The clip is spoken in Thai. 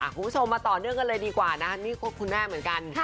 คุณผู้ชมมาต่อเนื่องกันเลยดีกว่านะคะนี่ก็คุณแม่เหมือนกัน